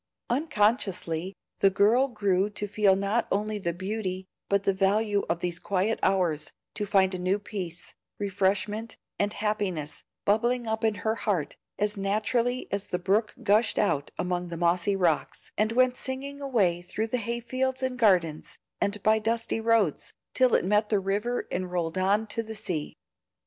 Unconsciously the girl grew to feel not only the beauty but the value of these quiet hours, to find a new peace, refreshment, and happiness, bubbling up in her heart as naturally as the brook gushed out among the mossy rocks, and went singing away through hayfields and gardens, and by dusty roads, till it met the river and rolled on to the sea.